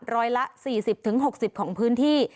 ร้อยละ๔๐๖๐ของพื้นที่